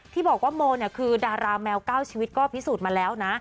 ที่บอกว่าโมเนี่ยคือดาราแมว๙ชีวิตก็พิสูจน์มาแล้วนะ